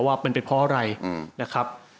ว่าเป็นแหละเพราะอะไร